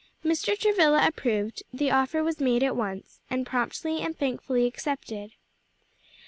Mr. Travilla approved, the offer was made at once, and promptly and thankfully accepted.